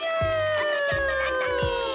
あとちょっとだったね。